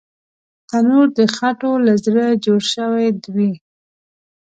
تنور د خټو له زړه جوړ شوی وي